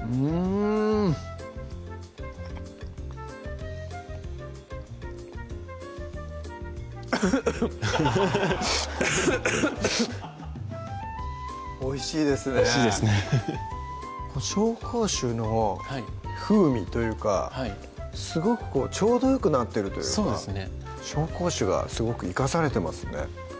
うんゴホッゴホッゴホッゴホッゴホッおいしいですねおいしいですねフフフッ紹興酒の風味というかすごくちょうどよくなってるというか紹興酒がすごく生かされてますね